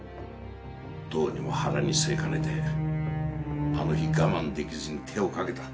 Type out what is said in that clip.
どうにも腹に据えかねてあの日我慢できずに手をかけた。